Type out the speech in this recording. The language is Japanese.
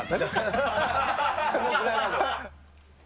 このぐらいまでは？